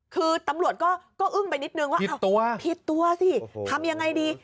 คือตำรวจก็ก็อึ้งไปนิดหนึ่งว่าผิดตัวผิดตัวสิโอ้โหทำยังไงดี